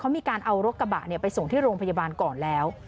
มีการเอารถกระบะไปส่งที่โรงพยาบาลก่อนแล้ว